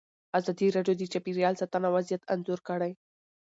ازادي راډیو د چاپیریال ساتنه وضعیت انځور کړی.